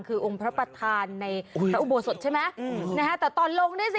คือองค์พระประธานในพระอุโบสถใช่ไหมนะฮะแต่ตอนลงนี่สิ